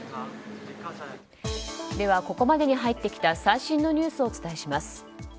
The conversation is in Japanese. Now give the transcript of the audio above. ではここまでに入ってきた最新のニュースをお伝えします。